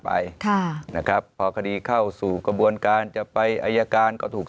ไปค่ะนะครับพอคดีเข้าสู่กระบวนการจะไปอายการก็ถูก